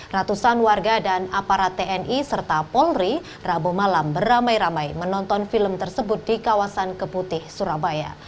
ratusan warga dan aparat tni serta polri rabu malam beramai ramai menonton film tersebut di kawasan keputih surabaya